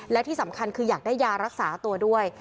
และที่สำคัญคืออยากได้ยารักษาตัวด้วย